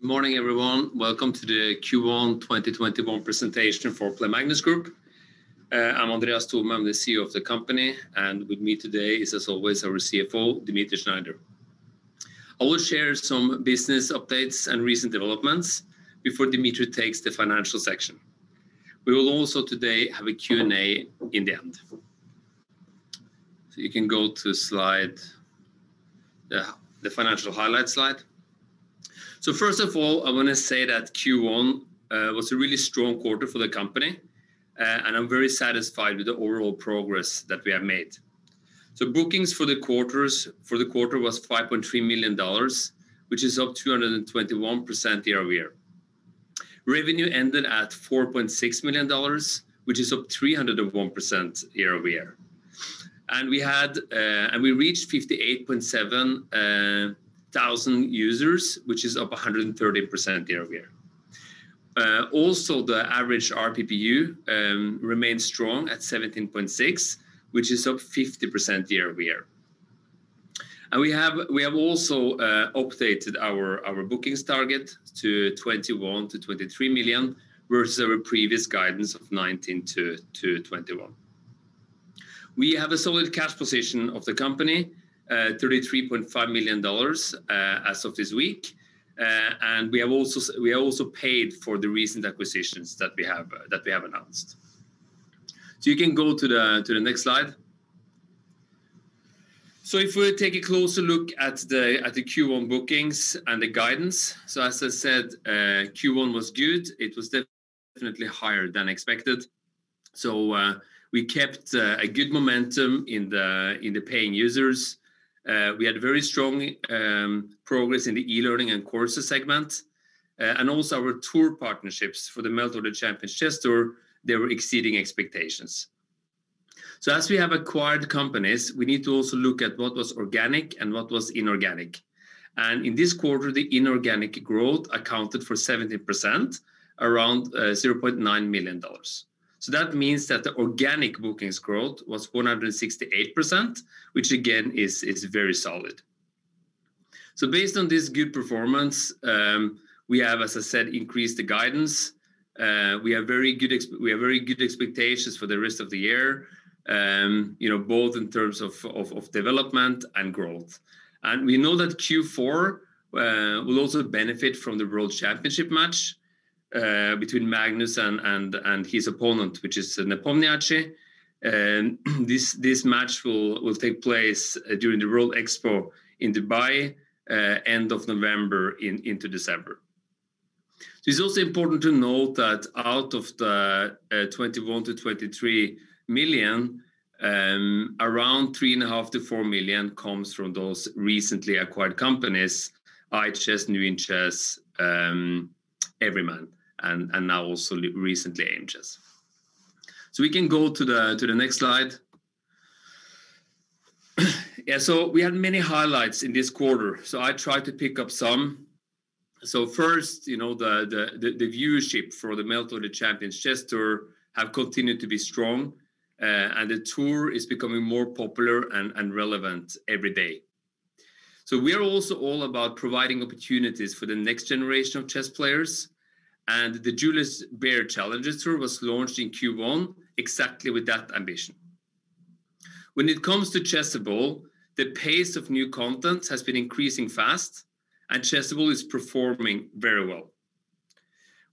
Good morning, everyone. Welcome to the Q1 2021 presentation for Play Magnus Group. I'm Andreas Thome, the CEO of the company, and with me today is, as always, our CFO, Dmitri Schneider. I will share some business updates and recent developments before Dmitri takes the financial section. We will also today have a Q&A in the end. You can go to the financial highlights slide. First of all, I want to say that Q1 was a really strong quarter for the company, and I'm very satisfied with the overall progress that we have made. The bookings for the quarter was $5.3 million, which is up 221% year-over-year. Revenue ended at $4.6 million, which is up 301% year-over-year. We reached 58.7 thousand users, which is up 130% year-over-year. The average ARPPU remains strong at $17.6, which is up 50% year-over-year. We have also updated our bookings target to $21 million-$23 million, versus our previous guidance of $19 million-$21 million. We have a solid cash position of the company, $33.5 million as of this week. We also paid for the recent acquisitions that we have announced. You can go to the next slide. If we take a closer look at the Q1 bookings and the guidance, as I said, Q1 was good. It was definitely higher than expected. We kept a good momentum in the paying users. We had very strong progress in the e-learning and courses segment. Also our tour partnerships for the Meltwater Champions Chess Tour, they were exceeding expectations. As we have acquired companies, we need to also look at what was organic and what was inorganic. In this quarter, the inorganic growth accounted for 70%, around $0.9 million. That means that the organic bookings growth was 168%, which again, is very solid. Based on this good performance, we have, as I said, increased the guidance. We have very good expectations for the rest of the year, both in terms of development and growth. We know that Q4 will also benefit from the World Chess Championship match between Magnus and his opponent, which is Nepomniachtchi. This match will take place during the World Expo in Dubai, end of November into December. It's also important to note that out of the $21 million-$23 million, around $3.5 million-$4 million comes from those recently acquired companies, iChess, New In Chess, Everyman, and now also recently, Aimchess. We can go to the next slide. We had many highlights in this quarter, I tried to pick up some. First, the viewership for the Meltwater Champions Chess Tour have continued to be strong, and the tour is becoming more popular and relevant every day. We are also all about providing opportunities for the next generation of chess players, and the Julius Baer Challengers Chess Tour was launched in Q1 exactly with that ambition. When it comes to Chessable, the pace of new content has been increasing fast, and Chessable is performing very well.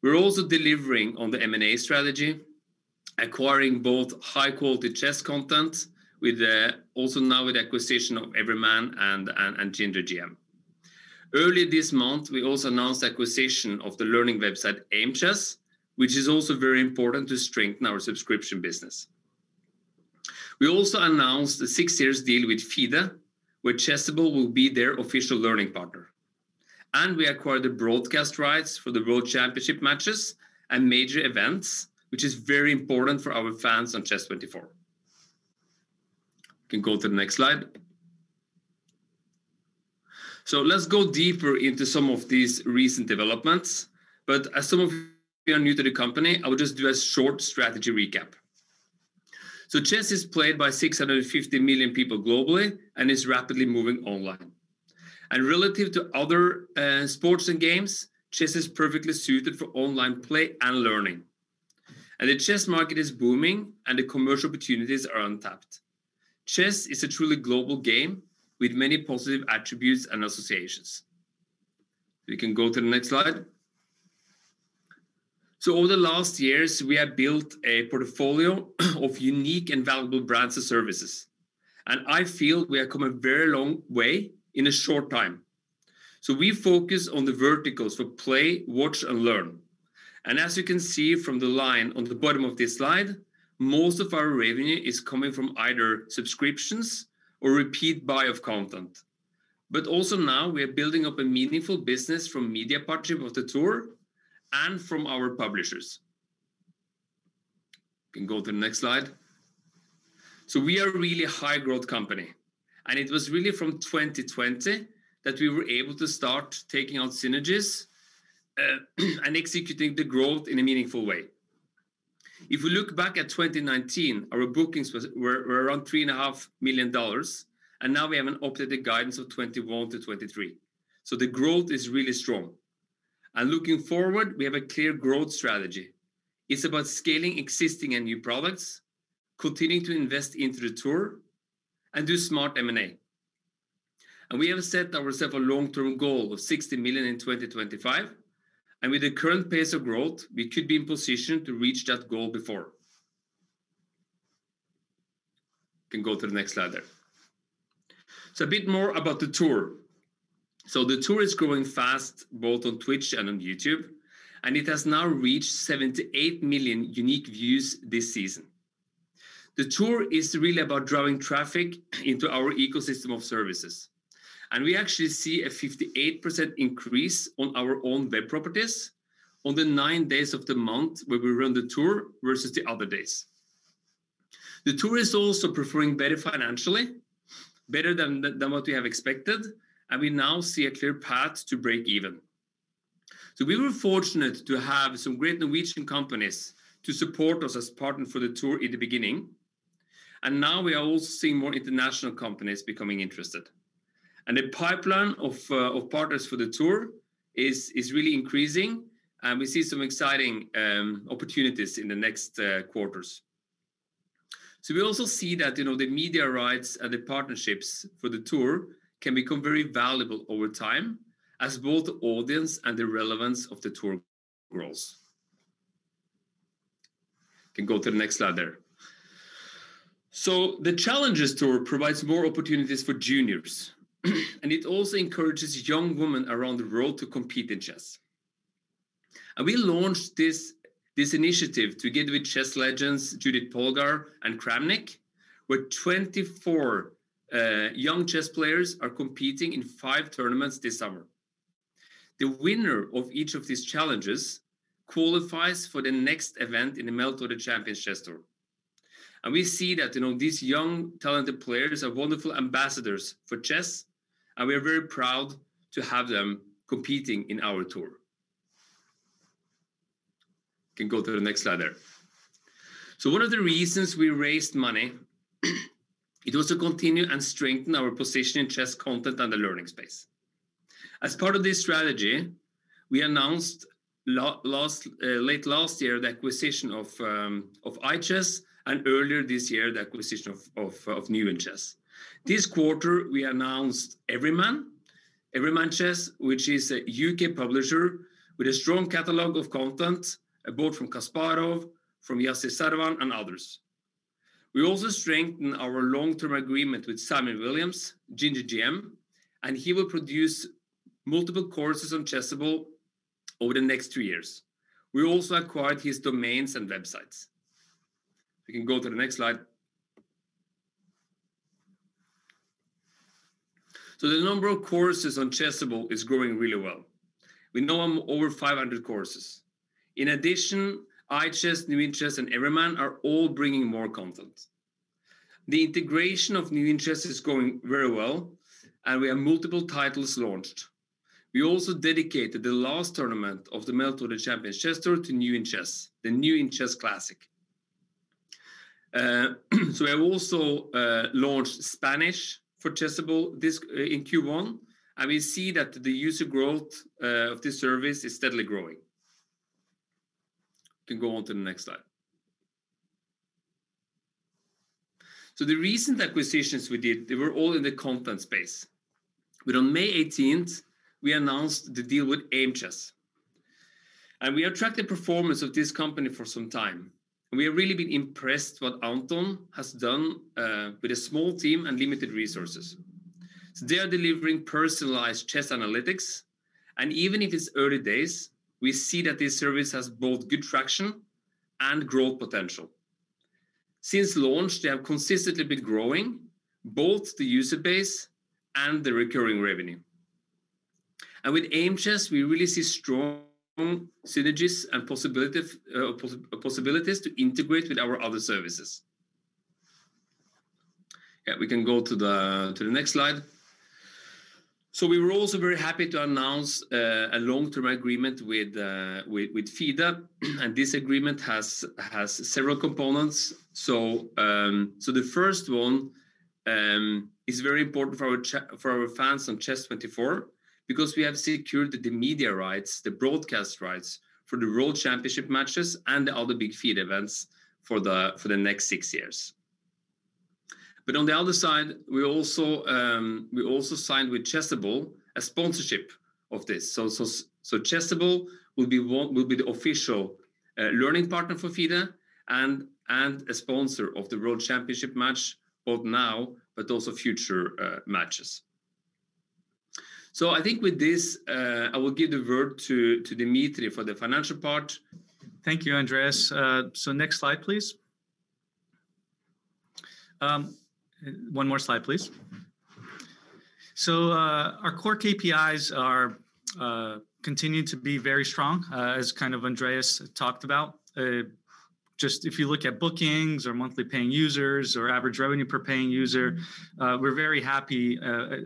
We're also delivering on the M&A strategy, acquiring both high-quality chess content, also now with the acquisition of Everyman and GingerGM. Early this month, we also announced the acquisition of the learning website, Aimchess, which is also very important to strengthen our subscription business. We also announced a six years deal with FIDE, where Chessable will be their official learning partner. We acquired the broadcast rights for the World Championship matches and major events, which is very important for our fans on chess24. We can go to the next slide. Let's go deeper into some of these recent developments, but as some of you are new to the company, I will just do a short strategy recap. Chess is played by 650 million people globally and is rapidly moving online. Relative to other sports and games, chess is perfectly suited for online play and learning. The chess market is booming, and the commercial opportunities are untapped. Chess is a truly global game with many positive attributes and associations. We can go to the next slide. Over the last years, we have built a portfolio of unique and valuable brands and services, and I feel we have come a very long way in a short time. We focus on the verticals for play, watch, and learn. As you can see from the line on the bottom of this slide, most of our revenue is coming from either subscriptions or repeat buy of content. Also now we are building up a meaningful business from media partnership of the tour and from our publishers. We can go to the next slide. We are really a high-growth company, and it was really from 2020 that we were able to start taking on synergies and executing the growth in a meaningful way. If you look back at 2019, our bookings were around $3.5 million, and now we have an updated guidance of $21 million-$23 million. The growth is really strong. Looking forward, we have a clear growth strategy. It's about scaling existing and new products, continuing to invest into the tour, and do smart M&A. We have set ourself a long-term goal of $60 million in 2025, and with the current pace of growth, we could be in position to reach that goal before. You can go to the next slide there. A bit more about the tour. The tour is growing fast both on Twitch and on YouTube, and it has now reached 78 million unique views this season. The tour is really about driving traffic into our ecosystem of services, and we actually see a 58% increase on our own web properties on the nine days of the month where we run the tour versus the other days. The tour is also performing better financially, better than what we have expected, and we now see a clear path to break even. We were fortunate to have some great Norwegian companies to support us as partner for the tour in the beginning, and now we are also seeing more international companies becoming interested. The pipeline of partners for the tour is really increasing, and we see some exciting opportunities in the next quarters. We also see that the media rights and the partnerships for the tour can become very valuable over time as both the audience and the relevance of the tour grows. Can go to the next slide there. The Challengers Tour provides more opportunities for juniors, and it also encourages young women around the world to compete in chess. We launched this initiative together with chess legends Judit Polgar and Vladimir Kramnik, where 24 young chess players are competing in five tournaments this summer. The winner of each of these challenges qualifies for the next event in the Meltwater Champions Chess Tour. We see that these young talented players are wonderful ambassadors for chess, and we are very proud to have them competing in our tour. Can go to the next slide there. One of the reasons we raised money is to continue and strengthen our position in chess content and the learning space. As part of this strategy, we announced late last year the acquisition of iChess and earlier this year the acquisition of New In Chess. This quarter, we announced Everyman Chess, which is a U.K. publisher with a strong catalog of content both from Kasparov, from Yasser Seirawan, and others. We also strengthened our long-term agreement with Simon Williams, GingerGM, and he will produce multiple courses on Chessable over the next two years. We also acquired his domains and websites. We can go to the next slide. The number of courses on Chessable is growing really well. We now have over 500 courses. In addition, iChess, New In Chess, and Everyman are all bringing more content. The integration of New In Chess is going very well, and we have multiple titles launched. We also dedicated the last tournament of the Meltwater Champions Chess Tour to New In Chess, the New In Chess Classic. We also launched Spanish for Chessable in Q1, and we see that the user growth of this service is steadily growing. Can go on to the next slide. The recent acquisitions we did, they were all in the content space. On May 18, we announced the deal with Aimchess. We have tracked the performance of this company for some time. We have really been impressed what Anton has done with a small team and limited resources. They are delivering personalized chess analytics, and even in its early days, we see that this service has both good traction and growth potential. Since launch they have consistently been growing both to user base and recurring revenue. With Aimchess, we really see strong synergies and possibilities to integrate with our other services. We can go to the next slide. We were also very happy to announce a long-term agreement with FIDE, and this agreement has several components. The first one is very important for our fans on chess24 because we have secured the media rights, the broadcast rights for the World Chess Championship matches and the other big FIDE events for the next six years. On the other side, we also signed with Chessable a sponsorship of this. Chessable will be the official learning partner for FIDE and a sponsor of the World Chess Championship match, both now but also future matches. I think with this, I will give the word to Dmitri for the financial part. Thank you, Andreas. Next slide, please. One more slide, please. Our core KPIs continue to be very strong as Andreas talked about. Just if you look at bookings or monthly paying users or average revenue per paying user, we're very happy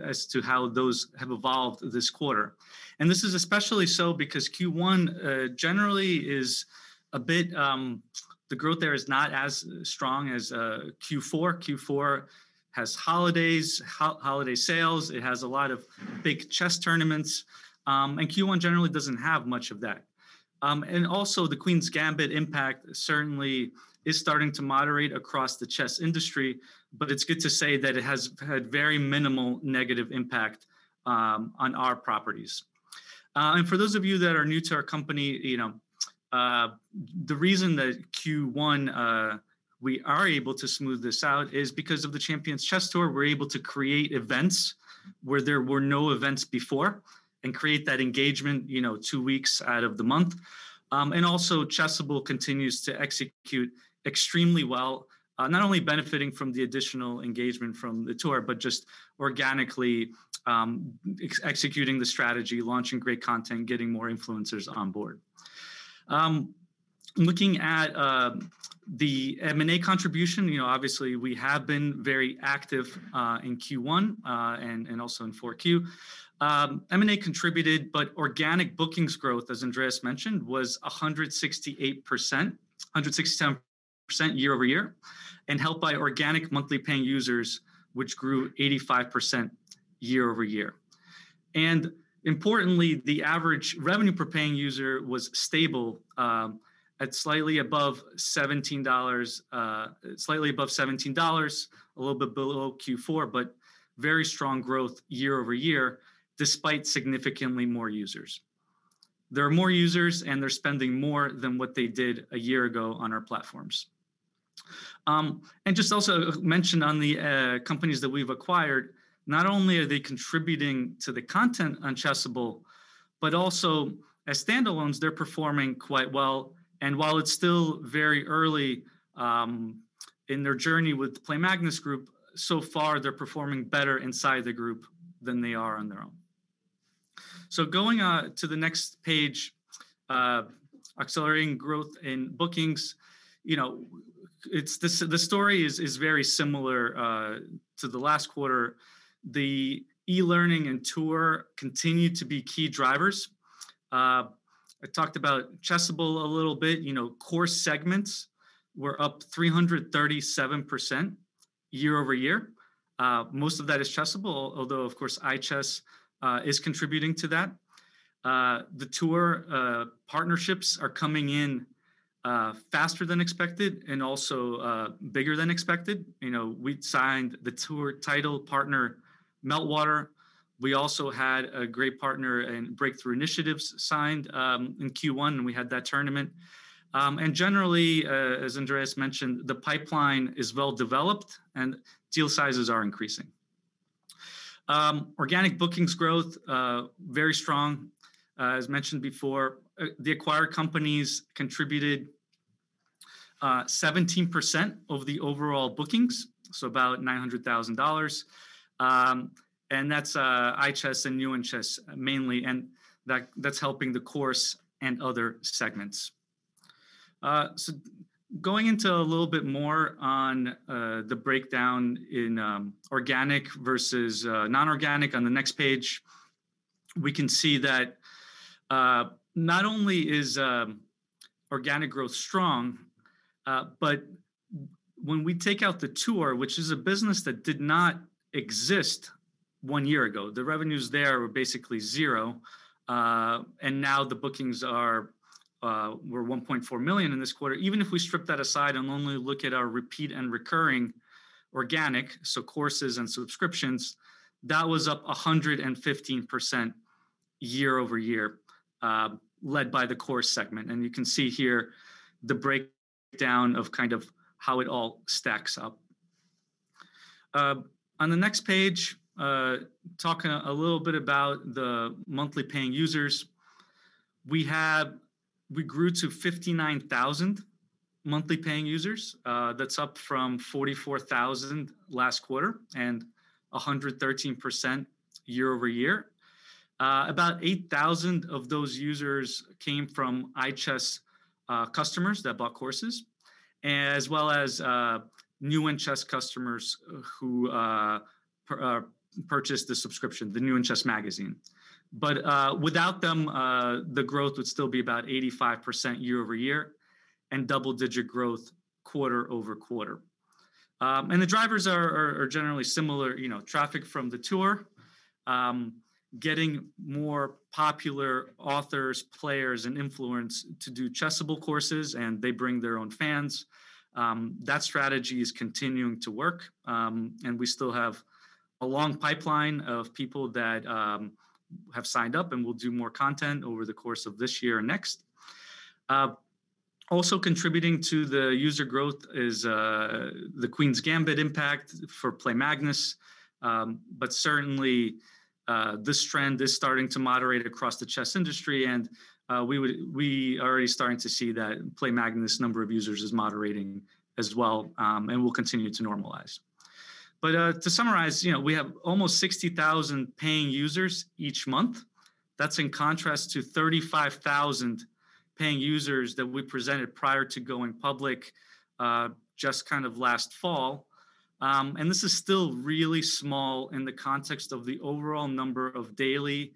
as to how those have evolved this quarter. This is especially so because Q1 generally the growth there is not as strong as Q4. Q4 has holidays, holiday sales, it has a lot of big chess tournaments, and Q1 generally doesn't have much of that. Also the Queen's Gambit impact certainly is starting to moderate across the chess industry, but it's good to say that it has had very minimal negative impact on our properties. For those of you that are new to our company, the reason that Q1 we are able to smooth this out is because of the Champions Chess Tour, we are able to create events where there were no events before and create that engagement two weeks out of the month. Also Chessable continues to execute extremely well, not only benefiting from the additional engagement from the tour, but just organically executing the strategy, launching great content, getting more influencers on board. Looking at the M&A contribution, obviously we have been very active in Q1 and also in 4Q. M&A contributed, but organic bookings growth, as Andreas mentioned, was 167% year-over-year, and helped by organic monthly paying users, which grew 85% year-over-year. Importantly, the average revenue per paying user was stable at slightly above $17, a little bit below Q4, very strong growth year-over-year despite significantly more users. There are more users and they're spending more than what they did a year ago on our platforms. Just also mention on the companies that we've acquired, not only are they contributing to the content on Chessable, but also as standalones, they're performing quite well. While it's still very early in their journey with the Play Magnus Group, so far they're performing better inside the group than they are on their own. Going to the next page, accelerating growth in bookings. The story is very similar to the last quarter. The e-learning and tour continue to be key drivers. I talked about Chessable a little bit. Course segments were up 337% year-over-year. Most of that is Chessable, although of course, iChess is contributing to that. The tour partnerships are coming in faster than expected and also bigger than expected. We'd signed the tour title partner Meltwater. We also had a great partner in Breakthrough Initiatives signed in Q1 when we had that tournament. Generally as Andreas mentioned, the pipeline is well developed and deal sizes are increasing. Organic bookings growth very strong. As mentioned before, the acquired companies contributed 17% of the overall bookings, so about $900,000. That's iChess and New In Chess mainly, and that's helping the course and other segments. Going into a little bit more on the breakdown in organic versus non-organic on the next page, we can see that not only is organic growth strong but when we take out the tour, which is a business that did not exist one year ago, the revenues there were basically zero. Now the bookings were $1.4 million in this quarter. Even if we strip that aside and only look at our repeat and recurring organic, so courses and subscriptions, that was up 115% year-over-year, led by the course segment. You can see here the breakdown of how it all stacks up. On the next page, talking a little bit about the monthly paying users. We grew to 59,000 monthly paying users. That's up from 44,000 last quarter and 113% year-over-year. About 8,000 of those users came from iChess customers that bought courses, as well as New In Chess customers who purchased the subscription, the New In Chess magazine. Without them the growth would still be about 85% year-over-year and double-digit growth quarter-over-quarter. The drivers are generally similar, traffic from the tour getting more popular authors, players, and influence to do Chessable courses, and they bring their own fans. That strategy is continuing to work. We still have a long pipeline of people that have signed up and will do more content over the course of this year and next. Also contributing to the user growth is The Queen's Gambit impact for Play Magnus. Certainly, this trend is starting to moderate across the chess industry, and we are already starting to see that Play Magnus' number of users is moderating as well and will continue to normalize. To summarize, we have almost 60,000 paying users each month. That's in contrast to 35,000 paying users that we presented prior to going public just kind of last fall. This is still really small in the context of the overall number of daily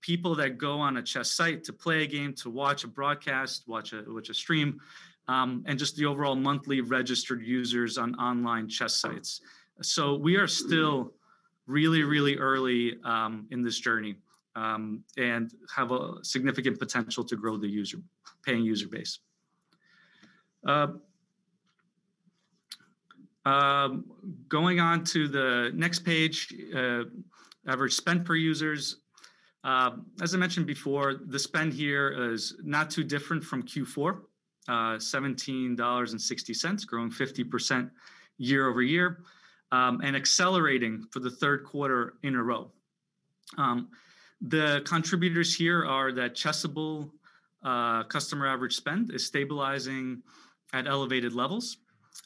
people that go on a chess site to play a game, to watch a broadcast, watch a stream, and just the overall monthly registered users on online chess sites. We are still really early in this journey and have a significant potential to grow the paying user base. Going on to the next page, average spend per users. As I mentioned before, the spend here is not too different from Q4, $17.60, grown 50% year-over-year, accelerating for the third quarter in a row. The contributors here are that Chessable customer average spend is stabilizing at elevated levels,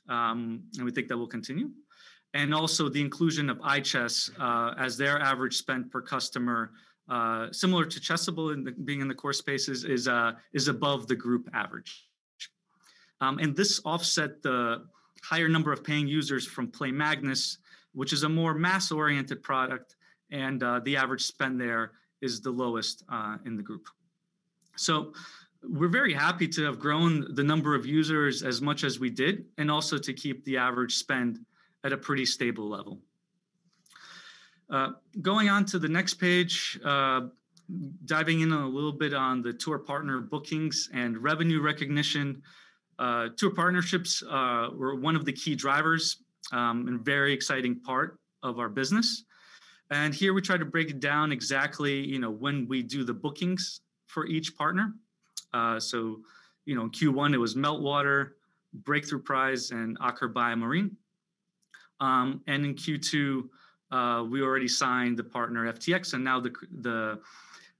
and we think that will continue. Also the inclusion of iChess as their average spend per customer, similar to Chessable in being in the course space, is above the group average. This offset the higher number of paying users from Play Magnus, which is a more mass-oriented product, and the average spend there is the lowest in the group. We're very happy to have grown the number of users as much as we did, and also to keep the average spend at a pretty stable level. Going on to the next page, diving in a little bit on the tour partner bookings and revenue recognition. Tour partnerships were one of the key drivers and a very exciting part of our business. Here we try to break it down exactly when we do the bookings for each partner. Q1, it was Meltwater, Breakthrough Prize, and Aker BioMarine. In Q2, we already signed the partner FTX, and now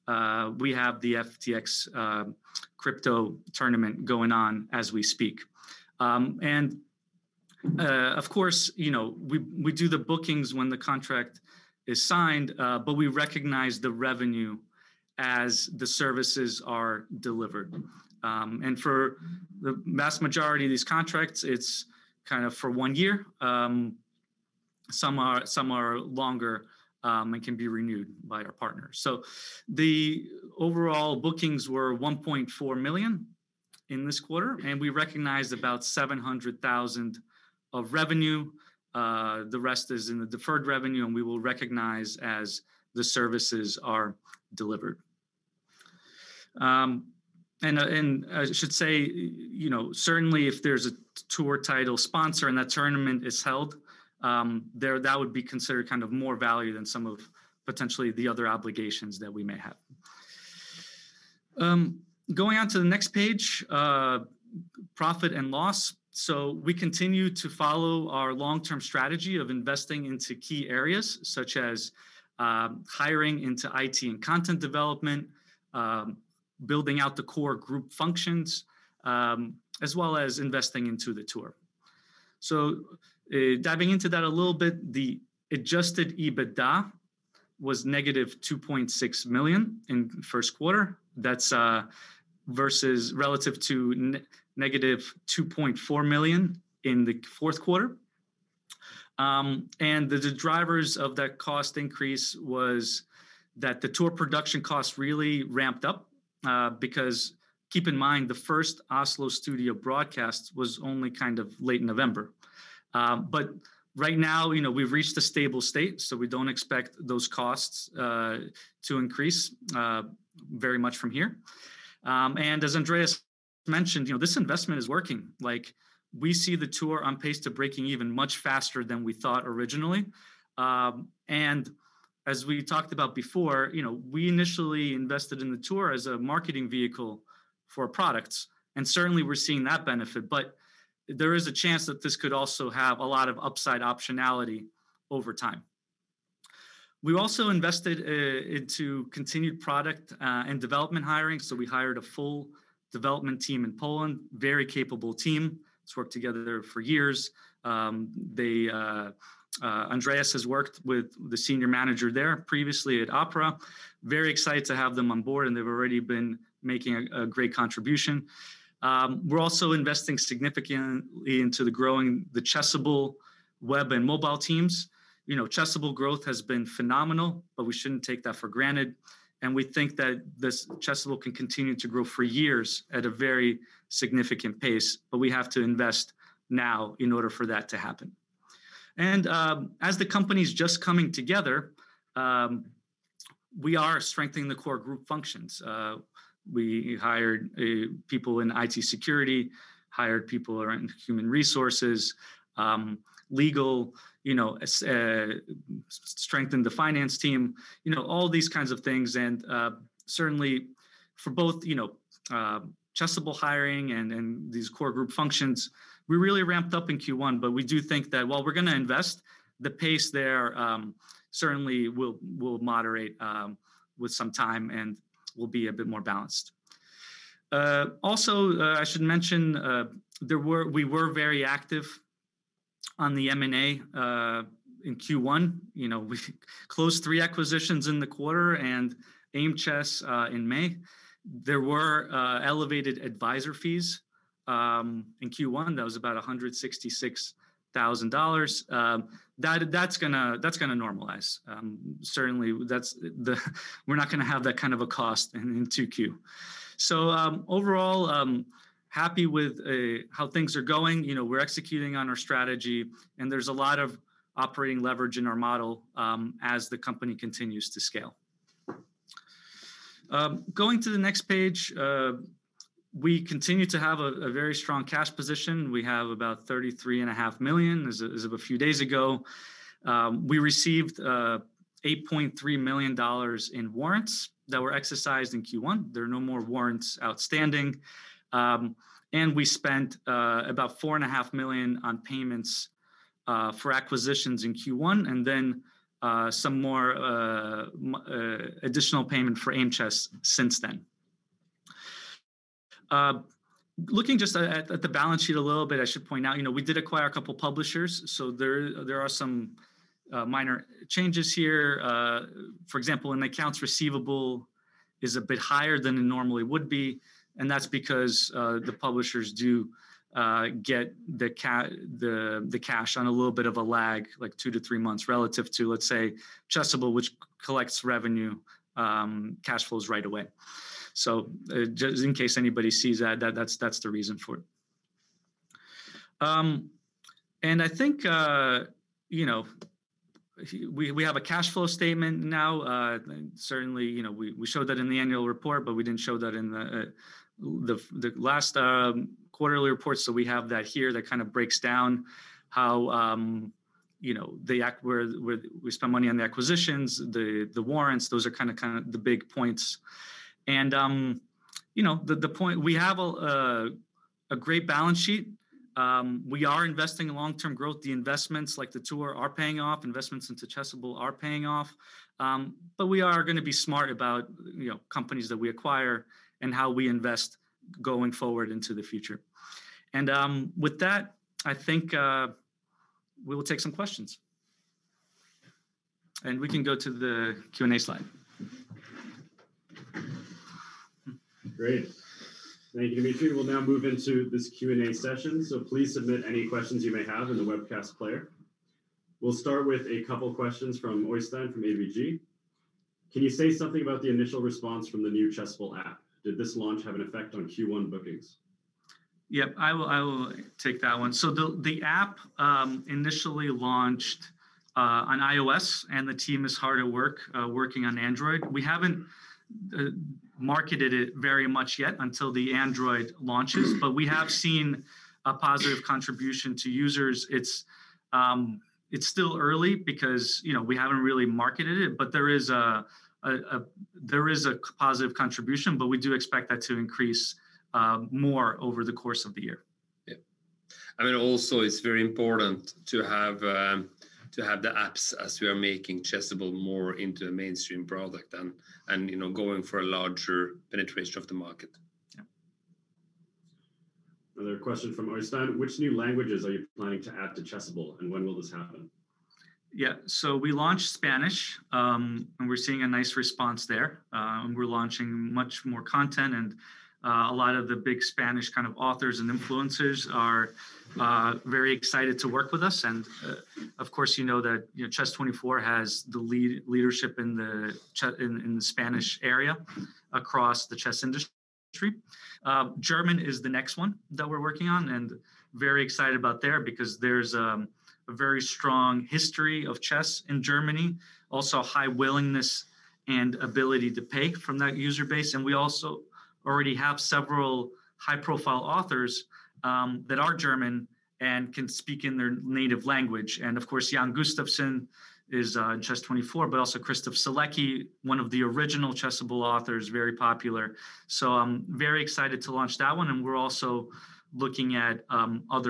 we have the FTX Crypto tournament going on as we speak. Of course, we do the bookings when the contract is signed, but we recognize the revenue as the services are delivered. For the vast majority of these contracts, it's kind of for one year. Some are longer and can be renewed by a partner. The overall bookings were $1.4 million in this quarter, and we recognized about $700,000 of revenue. The rest is in the deferred revenue, we will recognize as the services are delivered. I should say, certainly if there's a tour title sponsor and a tournament is held, that would be considered more value than some of potentially the other obligations that we may have. Going on to the next page, profit and loss. We continue to follow our long-term strategy of investing into key areas, such as hiring into IT and content development, building out the core group functions, as well as investing into the tour. Diving into that a little bit, the adjusted EBITDA was -$2.6 million in the first quarter. That's versus relative to -$2.4 million in the fourth quarter. The drivers of that cost increase was that the tour production cost really ramped up because keep in mind, the first Oslo Studio broadcast was only kind of late November. Right now, we've reached a stable state, so we don't expect those costs to increase very much from here. As Andreas mentioned, this investment is working. We see the tour on pace to breaking even much faster than we thought originally. As we talked about before, we initially invested in the tour as a marketing vehicle for products, and certainly we're seeing that benefit. There is a chance that this could also have a lot of upside optionality over time. We've also invested into continued product and development hiring. We hired a full development team in Poland, very capable team. It's worked together for years. Andreas has worked with the senior manager there previously at Opera. Very excited to have them on board, and they've already been making a great contribution. We're also investing significantly into the growing the Chessable web and mobile teams. Chessable growth has been phenomenal. We shouldn't take that for granted. We think that Chessable can continue to grow for years at a very significant pace. We have to invest now in order for that to happen. As the company's just coming together, we are strengthening the core group functions. We hired people in IT security, hired people around human resources, legal, strengthened the finance team, all these kinds of things. Certainly for both Chessable hiring and these core group functions, we really ramped up in Q1. We do think that while we're going to invest the pace there certainly will moderate with some time and will be a bit more balanced. I should mention we were very active on the M&A in Q1. We closed three acquisitions in the quarter and Aimchess in May. There were elevated advisor fees in Q1. That was about $166,000. That's going to normalize. We're not going to have that kind of a cost in 2Q. Overall, happy with how things are going. We're executing on our strategy, and there's a lot of operating leverage in our model as the company continues to scale. Going to the next page, we continue to have a very strong cash position. We have about $33.5 million as of a few days ago. We received $8.3 million in warrants that were exercised in Q1. There are no more warrants outstanding. We spent about $4.5 million on payments for acquisitions in Q1, then some more additional payment for Aimchess since then. Looking just at the balance sheet a little bit, I should point out we did acquire a couple publishers, there are some minor changes here. For example, in accounts receivable is a bit higher than it normally would be, and that's because the publishers do get the cash on a little bit of a lag, like two to three months relative to, let's say, Chessable, which collects revenue cash flows right away. Just in case anybody sees that's the reason for it. I think we have a cash flow statement now. Certainly, we showed that in the annual report, but we didn't show that in the last quarterly report. We have that here. That kind of breaks down how we spend money on the acquisitions, the warrants, those are kind of the big points. The point, we have a great balance sheet. We are investing in long-term growth. The investments like the Tour are paying off. Investments into Chessable are paying off. We are going to be smart about companies that we acquire and how we invest going forward into the future. With that, I think we will take some questions. We can go to the Q&A slide. Great. Thank you, Dmitri. We'll now move into this Q&A session. Please submit any questions you may have in the webcast player. We'll start with a couple questions from Øystein from ABG. Can you say something about the initial response from the new Chessable app? Did this launch have an effect on Q1 bookings? Yep, I will take that one. The app initially launched on iOS, and the team is hard at work working on Android. We haven't marketed it very much yet until the Android launches, we have seen a positive contribution to users. It's still early because we haven't really marketed it, there is a positive contribution. We do expect that to increase more over the course of the year. Yep. Also, it's very important to have the apps as we are making Chessable more into a mainstream product and going for a larger penetration of the market. Yep. Another question from Øystein. Which new languages are you planning to add to Chessable, and when will this happen? Yeah. We launched Spanish, and we're seeing a nice response there. We're launching much more content, a lot of the big Spanish kind of authors and influencers are very excited to work with us. Of course, you know that chess24 has the leadership in the Spanish area across the chess industry. German is the next one that we're working on and very excited about there because there's a very strong history of chess in Germany. Also high willingness and ability to pay from that user base. We also already have several high-profile authors that are German and can speak in their native language. Of course, Jan Gustafsson is on chess24, but also Christof Sielecki, one of the original Chessable authors, very popular. I'm very excited to launch that one. We're also looking at not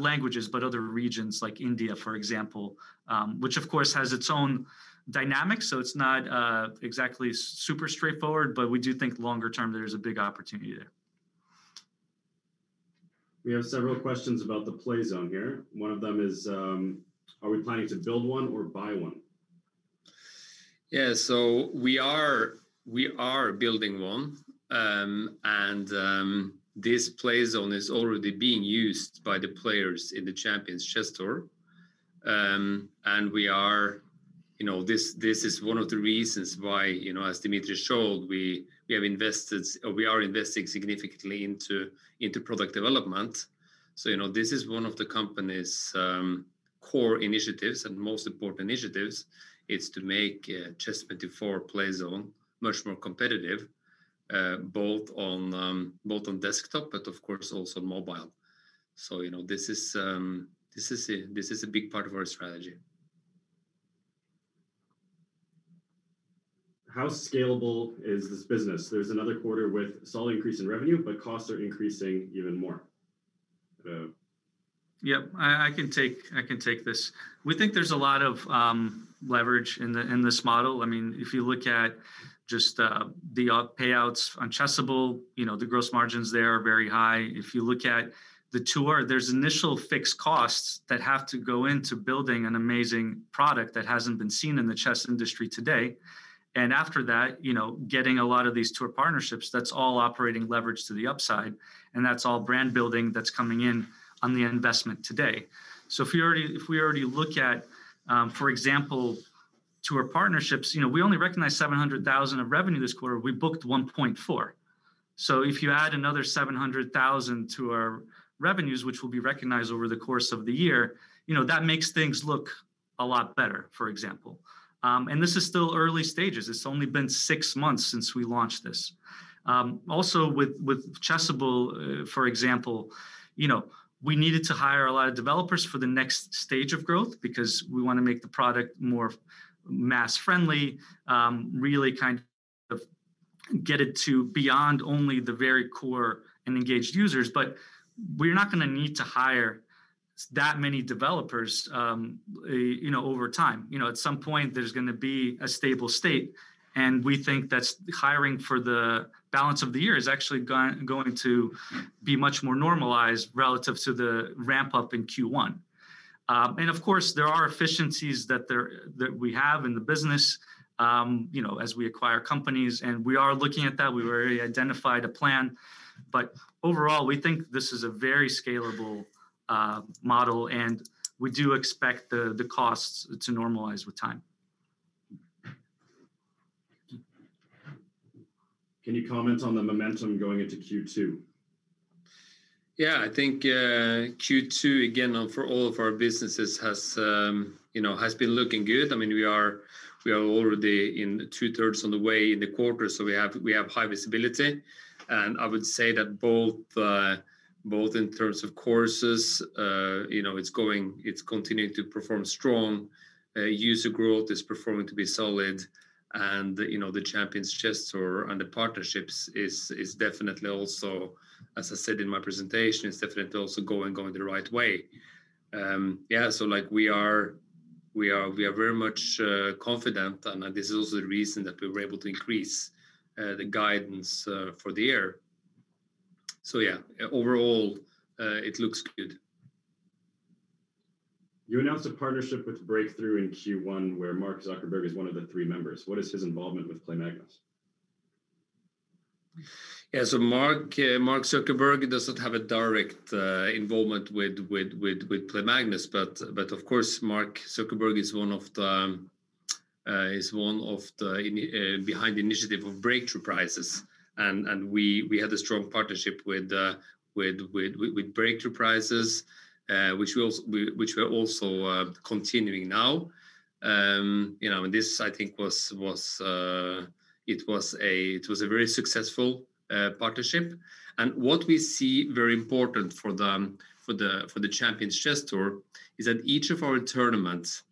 languages, but other regions like India, for example, which of course has its own dynamics. It's not exactly super straightforward, but we do think longer-term there's a big opportunity there. We have several questions about the Playzone here. One of them is, are we planning to build one or buy one? Yeah. We are building one. This Playzone is already being used by the players in the Champions Chess Tour. This is one of the reasons why, as Dmitri showed, we are investing significantly into product development. This is one of the company's core initiatives and most important initiatives is to make chess24 Playzone much more competitive, both on desktop, but of course also mobile. This is a big part of our strategy. How scalable is this business? There's another quarter with solid increase in revenue, but costs are increasing even more. Yeah. I can take this. We think there's a lot of leverage in this model. If you look at just the payouts on Chessable, the gross margins there are very high. If you look at the tour, there's initial fixed costs that have to go into building an amazing product that hasn't been seen in the chess industry today. After that, getting a lot of these tour partnerships, that's all operating leverage to the upside, and that's all brand building that's coming in on the investment today. If we already look at, for example, tour partnerships, we only recognized $700,000 of revenue this quarter, we booked $1.4 million. If you add another $700,000 to our revenues, which will be recognized over the course of the year, that makes things look a lot better, for example. This is still early stages. It's only been six months since we launched this. Also with Chessable, for example, we needed to hire a lot of developers for the next stage of growth because we want to make the product more mass friendly, really kind of get it to beyond only the very core and engaged users. We're not going to need to hire that many developers over time. At some point, there's going to be a stable state, we think that hiring for the balance of the year is actually going to be much more normalized relative to the ramp-up in Q1. Of course, there are efficiencies that we have in the business as we acquire companies, and we are looking at that. We've already identified a plan. Overall, we think this is a very scalable model, and we do expect the costs to normalize with time. Can you comment on the momentum going into Q2? Yeah, I think Q2, again, for all of our businesses has been looking good. We are already in two-thirds of the way in the quarter, so we have high visibility. I would say that both in terms of courses, it's continuing to perform strong. User growth is performing to be solid. The Champions Chess Tour and the partnerships is definitely also, as I said in my presentation, is definitely also going the right way. We are very much confident, and this is also the reason that we were able to increase the guidance for the year. Yeah, overall, it looks good. You announced a partnership with Breakthrough in Q1, where Mark Zuckerberg is one of the three members. What is his involvement with Play Magnus? Mark Zuckerberg doesn't have a direct involvement with Play Magnus. Of course, Mark Zuckerberg is one of the behind the initiative of Breakthrough Prize, and we had a strong partnership with Breakthrough Prize, which we are also continuing now. This, I think it was a very successful partnership. What we see very important for the Champions Chess Tour is that each of our tournaments,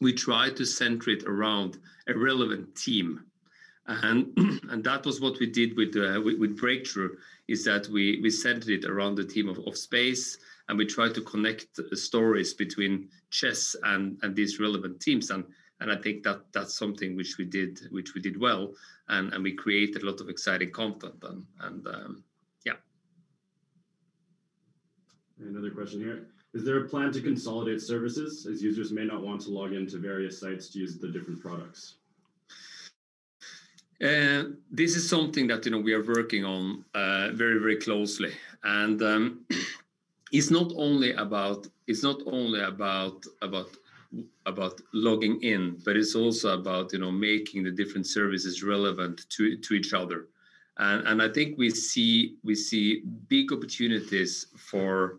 we try to center it around a relevant theme. That was what we did with Breakthrough is that we centered it around the theme of space, and we tried to connect stories between chess and these relevant themes. I think that's something which we did well, and we created a lot of exciting content then. Another question here. Is there a plan to consolidate services, as users may not want to log into various sites to use the different products? This is something that we are working on very closely. It's not only about logging in, but it's also about making the different services relevant to each other. I think we see big opportunities for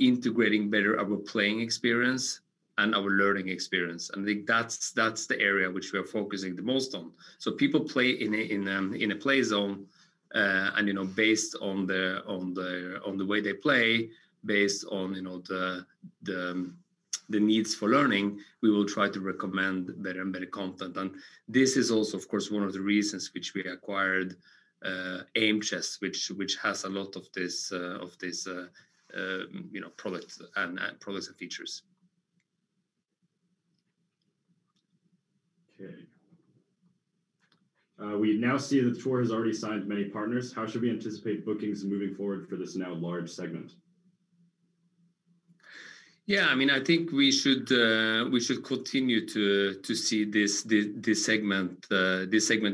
integrating better our playing experience and our learning experience. I think that's the area which we are focusing the most on. People play in a Playzone, and based on the way they play, based on the needs for learning, we will try to recommend better content. This is also, of course, one of the reasons which we acquired Aimchess, which has a lot of these products and features. Okay. We now see that tour has already signed many partners. How should we anticipate bookings moving forward for this now large segment? Yeah. I think we should continue to see this segment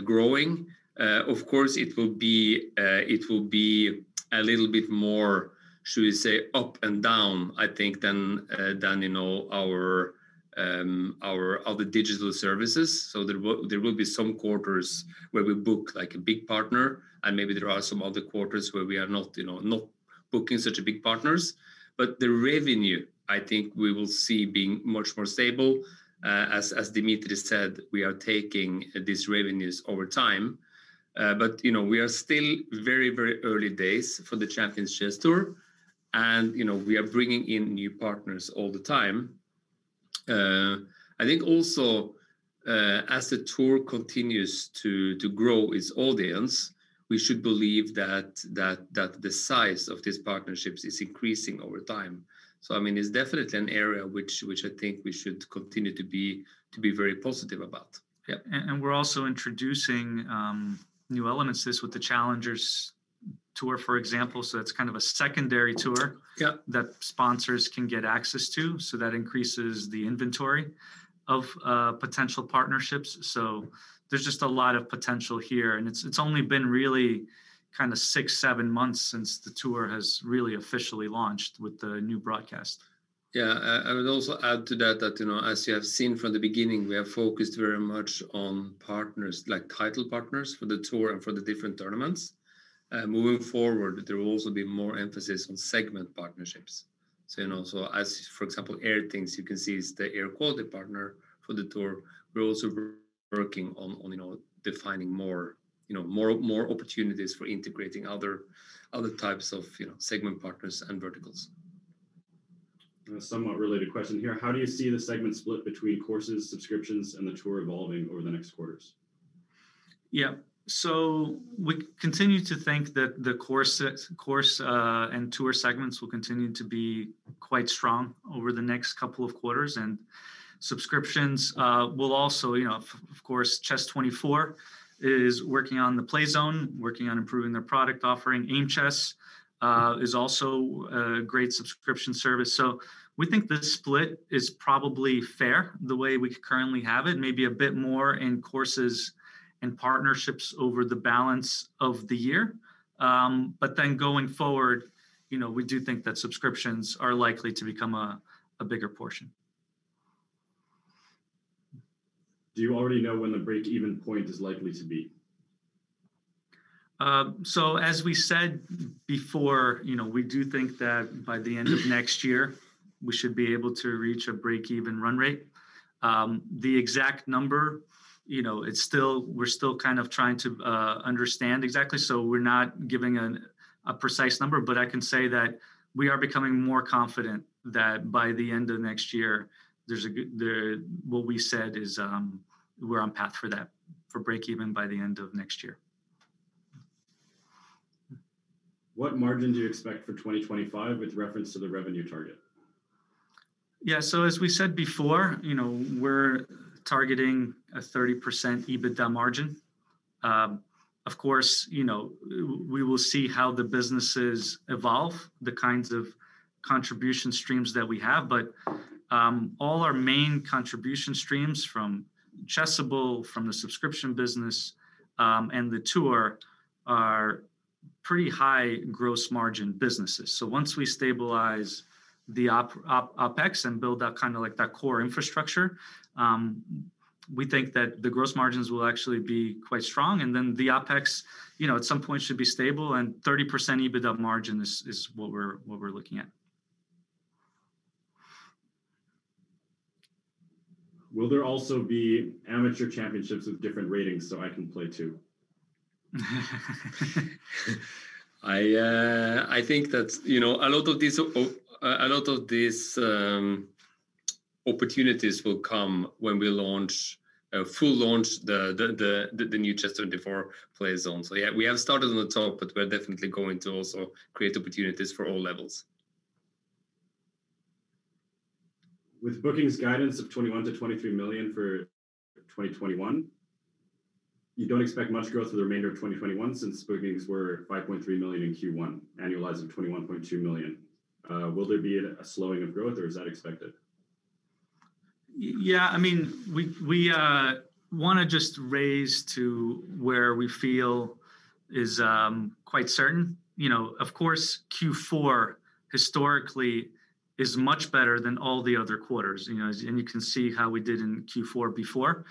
growing. Of course, it will be a little bit more, should we say, up and down, I think, than our other digital services. There will be some quarters where we book a big partner, and maybe there are some other quarters where we are not booking such big partners. The revenue, I think we will see being much more stable. As Dmitri said, we are taking these revenues over time. We are still very early days for the Champions Chess Tour, and we are bringing in new partners all the time. I think also as the tour continues to grow its audience, we should believe that the size of these partnerships is increasing over time. It's definitely an area which I think we should continue to be very positive about. Yeah. We're also introducing new elements with the Challengers Tour, for example. That's kind of a secondary tour. Yep that sponsors can get access to, so that increases the inventory of potential partnerships. There's just a lot of potential here, and it's only been really six, seven months since the tour has really officially launched with the new broadcast. Yeah. I would also add to that as you have seen from the beginning, we are focused very much on partners, like title partners for the tour and for the different tournaments. Moving forward, there will also be more emphasis on segment partnerships. Also as for example, Airthings you can see is the air quality partner for the tour. We're also working on defining more opportunities for integrating other types of segment partners and verticals. Somewhat related question here. How do you see the segment split between courses, subscriptions, and the tour evolving over the next quarters? Yeah. We continue to think that the course and tour segments will continue to be quite strong over the next couple of quarters, and subscriptions will also. Of course, chess24 is working on the Playzone, working on improving their product offering. Aimchess is also a great subscription service. So we think the split is probably fair the way we currently have it. Maybe a bit more in courses and partnerships over the balance of the year. Going forward, we do think that subscriptions are likely to become a bigger portion. Do you already know when the breakeven point is likely to be? As we said before, we do think that by the end of next year, we should be able to reach a breakeven run rate. The exact number, we're still kind of trying to understand exactly. We're not giving a precise number, but I can say that we are becoming more confident that by the end of next year, what we said is we're on path for that, for breakeven by the end of next year. What margin do you expect for 2025 with reference to the revenue target? Yeah. As we said before, we're targeting a 30% EBITDA margin. Of course, we will see how the businesses evolve, the kinds of contribution streams that we have. All our main contribution streams from Chessable, from the subscription business, and the tour are pretty high gross margin businesses. Once we stabilize the OpEx and build out that core infrastructure, we think that the gross margins will actually be quite strong. The OpEx, at some point should be stable and 30% EBITDA margin is what we're looking at. Will there also be amateur championships with different ratings so I can play too? I think that a lot of these opportunities will come when we full launch the new chess24 Playzone. Yeah, we have started on the top, but we're definitely going to also create opportunities for all levels. With bookings guidance of $21 million-$23 million for 2021, you don't expect much growth for the remainder of 2021 since bookings were $5.3 million in Q1, annualizing $21.2 million. Will there be a slowing of growth, or is that expected? Yeah. We want to just raise to where we feel is quite certain. Of course, Q4 historically is much better than all the other quarters, and you can see how we did in Q4 before.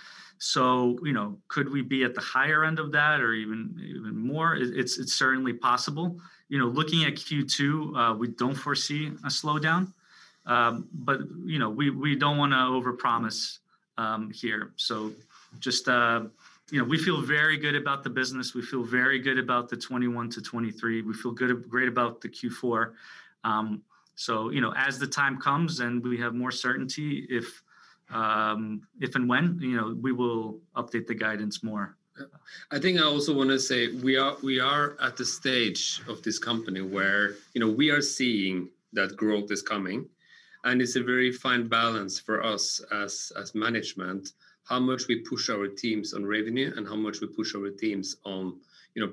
Could we be at the higher end of that or even more? It's certainly possible. Looking at Q2, we don't foresee a slowdown. We don't want to overpromise here. We feel very good about the business. We feel very good about the 2021 to 2023. We feel good about the Q4. As the time comes and we have more certainty if and when, we will update the guidance more. I think I also want to say we are at the stage of this company where we are seeing that growth is coming, and it's a very fine balance for us as management, how much we push our teams on revenue and how much we push our teams on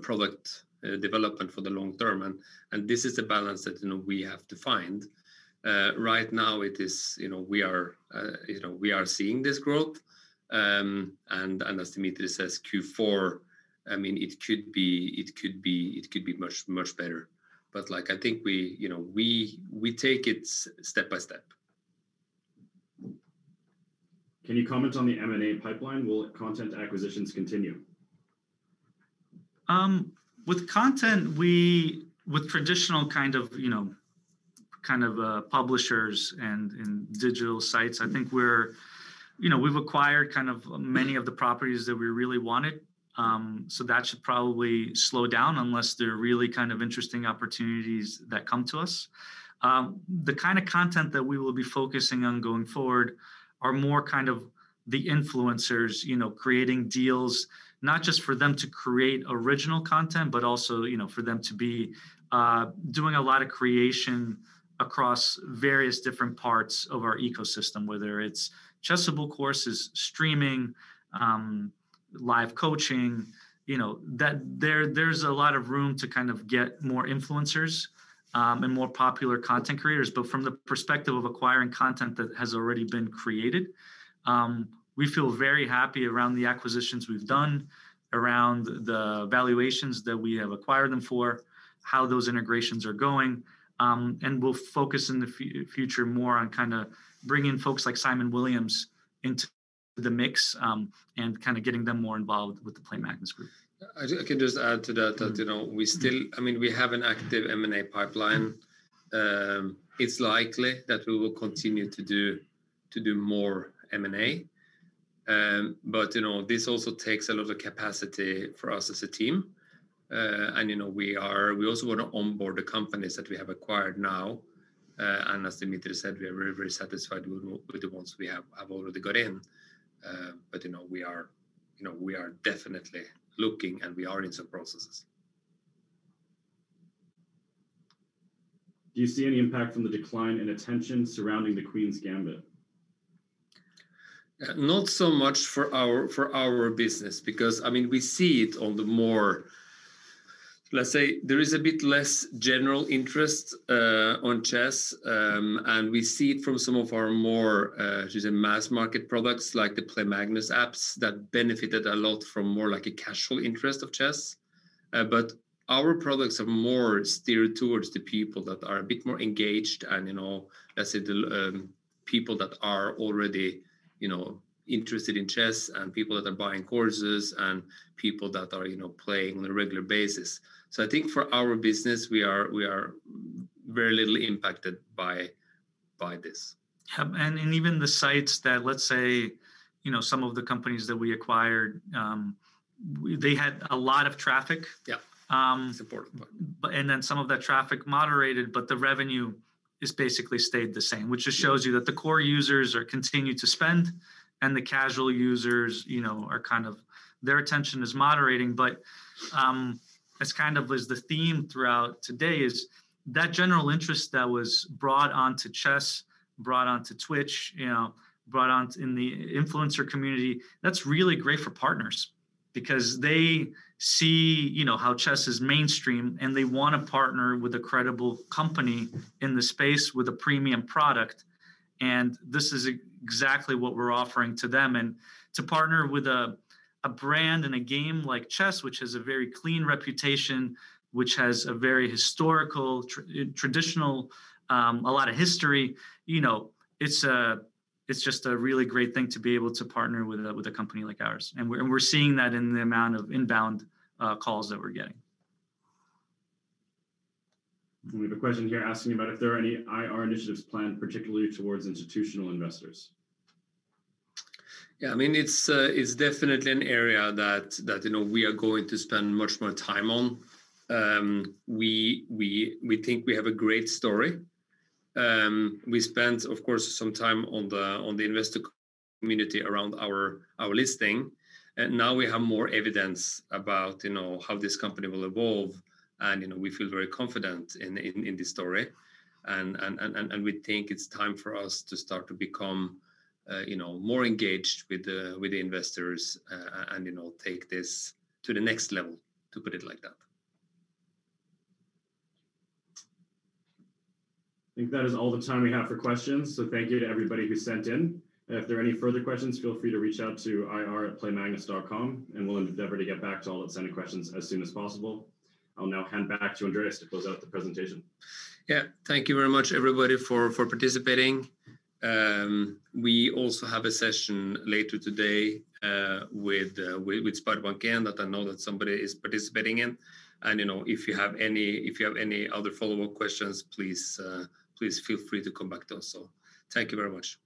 product development for the long-term. And this is a balance that we have to find. Right now, we are seeing this growth, and as Dmitri says, Q4, it could be much, much better. But I think we take it step by step. Can you comment on the M&A pipeline? Will content acquisitions continue? With content, with traditional kind of publishers and digital sites, I think we've acquired many of the properties that we really wanted. That should probably slow down unless there are really interesting opportunities that come to us. The kind of content that we will be focusing on going forward are more the influencers, creating deals not just for them to create original content, but also for them to be doing a lot of creation across various different parts of our ecosystem, whether it's Chessable courses, streaming, live coaching. There's a lot of room to get more influencers and more popular content creators. From the perspective of acquiring content that has already been created, we feel very happy around the acquisitions we've done, around the valuations that we have acquired them for, how those integrations are going, and we'll focus in the future more on bringing folks like Simon Williams into the mix, and getting them more involved with the Play Magnus Group. I can just add to that, we have an active M&A pipeline. It's likely that we will continue to do more M&A. This also takes a lot of capacity for us as a team. We also want to onboard the companies that we have acquired now. As Dmitri said, we are very, very satisfied with the ones we have already got in. We are definitely looking, and we are in some processes. Do you see any impact from the decline in attention surrounding The Queen's Gambit? Not so much for our business because we see it. Let's say there is a bit less general interest in chess, and we see it from some of our more mass-market products like the Play Magnus apps that benefited a lot from more like a casual interest of chess. Our products are more geared towards the people that are a bit more engaged and let's say the people that are already interested in chess and people that are buying courses and people that are playing on a regular basis. I think for our business, we are very little impacted by this. Even the sites that, let's say, some of the companies that we acquired, they had a lot of traffic. Yeah. That's important. Some of that traffic moderated, but the revenue has basically stayed the same, which just shows you that the core users are continuing to spend, and the casual users, their attention is moderating. As kind of was the theme throughout today is that general interest that was brought onto chess, brought onto Twitch, brought on in the influencer community, that's really great for partners because they see how chess is mainstream, and they want to partner with a credible company in the space with a premium product. This is exactly what we're offering to them. To partner with a brand and a game like chess, which has a very clean reputation, which has a lot of history, it's just a really great thing to be able to partner with a company like ours. We're seeing that in the amount of inbound calls that we're getting. We have a question here asking about if there are any IR initiatives planned, particularly towards institutional investors. It's definitely an area that we are going to spend much more time on. We think we have a great story. We spent, of course, some time on the investor community around our listing, and now we have more evidence about how this company will evolve, and we feel very confident in this story. We think it's time for us to start to become more engaged with the investors and take this to the next level, to put it like that. I think that is all the time we have for questions, so thank you to everybody who sent in. If there are any further questions, feel free to reach out to ir@playmagnus.com, and we'll endeavor to get back to all the sent questions as soon as possible. I'll now hand back to Andreas to close out the presentation. Yeah. Thank you very much, everybody, for participating. We also have a session later today with SpareBank 1 that I know that somebody is participating in. If you have any other follow-up questions, please feel free to come back to us. Thank you very much.